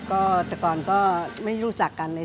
ก็แต่ก่อนก็ไม่รู้จักกันเลย